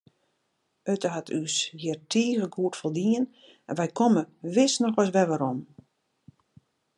It hat ús hjir tige goed foldien en wy komme wis noch ris werom.